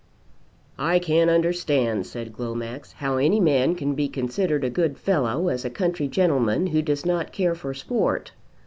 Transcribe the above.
"I can't understand," said Glomax, "how any man can be considered a good fellow as a country gentleman who does not care for sport.